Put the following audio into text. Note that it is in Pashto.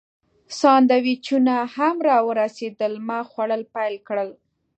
سانډویچونه هم راورسېدل، ما خوړل پیل کړل.